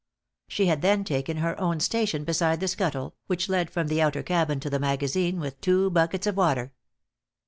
She had then taken her own station beside the scuttle, which led from the outer cabin to the magazine, with two buckets of water.